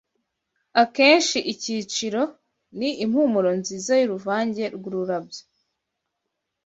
Akenshi icyiciro, ni impumuro nziza yuruvange rwururabyo